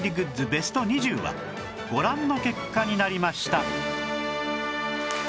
ベスト２０はご覧の結果になりました